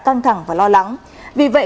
căng thẳng và lo lắng vì vậy